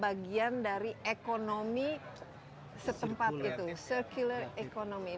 bagian dari ekonomi setempat itu circular economy